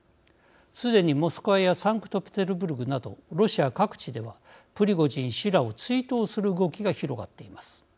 すでに、モスクワやサンクトペテルブルクなどロシア各地ではプリゴジン氏らを追悼する動きが広がっています。